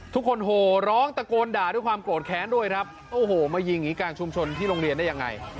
โหร้องตะโกนด่าด้วยความโกรธแค้นด้วยครับโอ้โหมายิงอย่างนี้กลางชุมชนที่โรงเรียนได้ยังไง